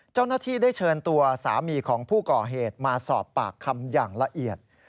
เจ้าหน้าที่ได้เชิญตัวสามีของผู้ก่อเหตุมาสอบปากคำอย่างละเอียด